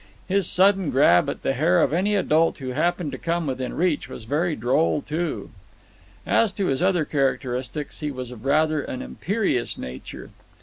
His sudden grab at the hair of any adult who happened to come within reach was very droll, too. As to his other characteristics, he was of rather an imperious nature.